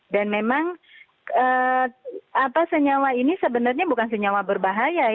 dan memang senyawa ini sebenarnya bukan senyawa berbahaya